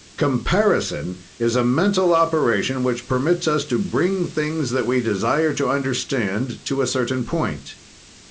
"Comparison is a mental operation which permits us to bring things that we desire to understand to a certain point.